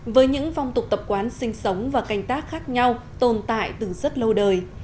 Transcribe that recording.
với những phong tục tập quán sinh sống và canh tác khác nhau tồn tại từ rất lâu đời